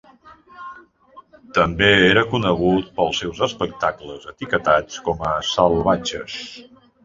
També era conegut pels seus espectacles etiquetats com a salvatges.